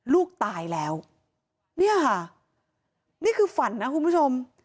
ลูกตายแล้วเนี่ยค่ะนี่คือฝันนะคุณผู้ชม